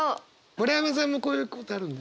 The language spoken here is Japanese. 村山さんもこういうことあるんですか？